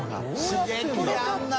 刺激あるな。